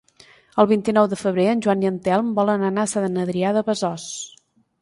El vint-i-nou de febrer en Joan i en Telm volen anar a Sant Adrià de Besòs.